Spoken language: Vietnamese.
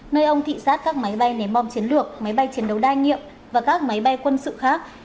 nơi ông thị xát các máy bay ném bom chiến lược máy bay chiến đấu đa nhiệm và các máy bay quân sự khác